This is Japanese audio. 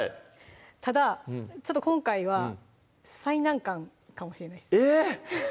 ただちょっと今回は最難関かもしれないですえっ